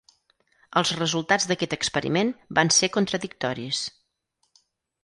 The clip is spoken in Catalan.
Els resultats d'aquest experiment van ser contradictoris.